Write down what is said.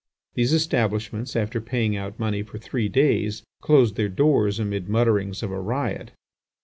These establishments, after paying out money for three days, closed their doors amid mutterings of a riot.